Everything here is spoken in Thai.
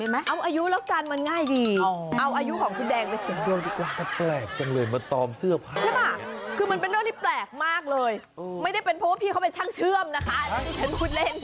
ไม่ได้เป็นเพราะว่าพี่เขาเป็นช่างเชื่อมนะคะนี่ฉันพูดเล่น